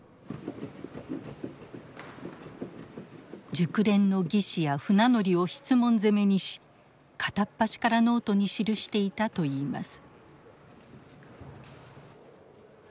熟練の技師や船乗りを質問攻めにし片っ端からノートに記していたといいます。